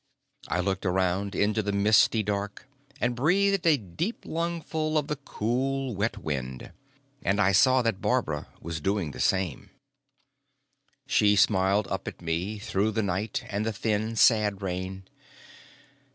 I looked around into the misty dark and breathed a deep lungful of the cool wet wind. And I saw that Barbara was doing the same. She smiled up at me through the night and the thin sad rain.